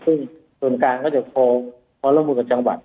คือส่วนกันก็คงพ้นไพร่ละโมนกับจังหวัด